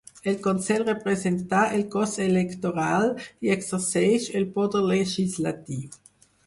El Consell representa el cos electoral i exerceix el poder legislatiu.